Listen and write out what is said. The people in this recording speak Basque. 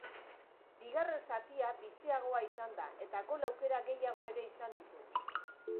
Bigarren zatia biziagoa izan da, eta gol aukera gehiago ere izan ditu.